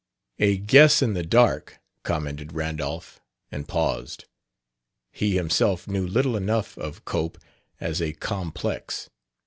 "A guess in the dark," commented Randolph, and paused. He himself knew little enough of Cope as a complex.